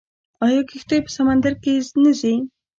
آیا کښتۍ په سمندر کې نه ځي؟